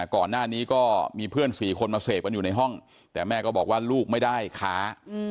ก่อนหน้านี้ก็มีเพื่อน๔คนมาเสพกันอยู่ในห้องแต่แม่ก็บอกว่าลูกไม่ได้ค้า